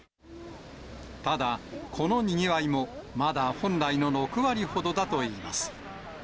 ただ、このにぎわいも、まだ本来の６割ほどだといいます。